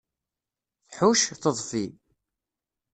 Tḥucc, teḍfi.